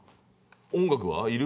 音楽はいる？